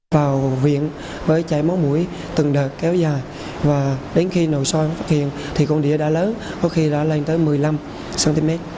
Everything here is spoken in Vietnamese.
vào viện với chảy máu mũi từng đợt kéo dài và đến khi nội soi phát hiện thì con đĩa đã lớn có khi đã lên tới một mươi năm cm